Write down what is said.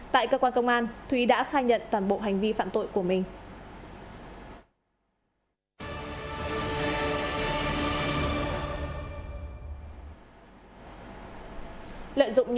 tại cơ quan công an thúy đã khai nhận toàn bộ hành vi phạm tội của mình